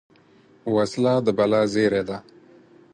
وسله د بلا زېری ده